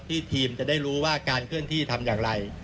ทีมจะได้รู้ว่าการเคลื่อนที่ทำอย่างไร